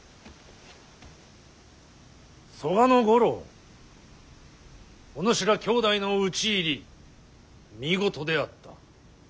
曽我五郎おぬしら兄弟の討ち入り見事であった。